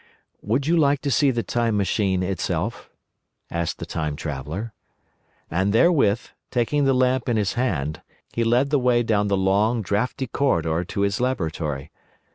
"Would you like to see the Time Machine itself?" asked the Time Traveller. And therewith, taking the lamp in his hand, he led the way down the long, draughty corridor to his laboratory.